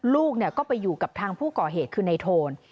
ลูกก็ไปอยู่กับทางผู้ก่อเหตุคือในโทน